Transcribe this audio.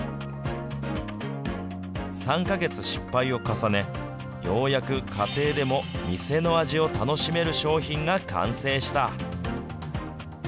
３か月失敗を重ね、ようやく家庭でも店の味を楽しめる商品が完成した。